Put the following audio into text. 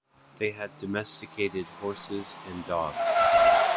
They had domesticated horses and dogs.